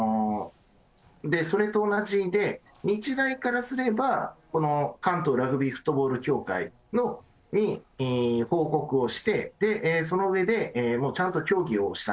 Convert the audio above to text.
それと同じで、日大からすれば、関東ラグビーフットボール協会に報告をして、その上で、ちゃんと協議をした。